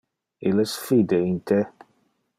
Illes fide in te.